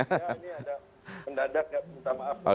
ini ada mendadak ya minta maaf